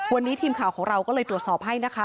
วันนี้ทีมข่าวของเราก็เลยตรวจสอบให้นะคะ